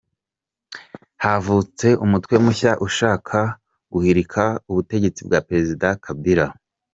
Havutse umutwe mushya ushaka guhirika ku butegetsi Perezida Kabila